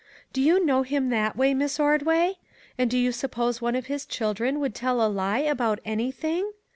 Do you know him that way, Miss Ordway? And do you suppose one of his children would tell a lie about anything?